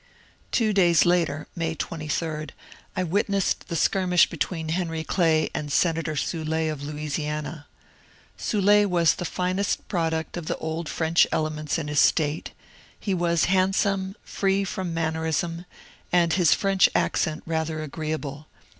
Two days later (May 23) I witnessed the skirmish between Henry Clay and Senator Soul^ of Louisiana. Soul^ was the finest product of the old French elements in his State ; he was handsome, free from mannerism, and his French accent rather agreeable.